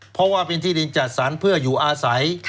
เพราะว่าเป็นที่ดินจัดสรรเพื่ออยู่อาศัย